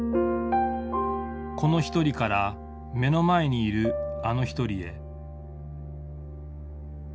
この一人から目の前にいるあの一人へ。